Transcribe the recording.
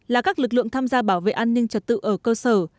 là các lực lượng tham gia bảo vệ an ninh trật tự ở cơ sở